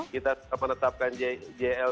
kita menetapkan jl